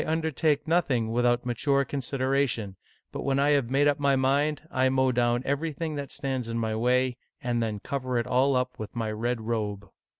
undertake nothing without mature consideration, but when I have made up my mind, I mow down everything that stands in my way, and then cover it all up with my red robe."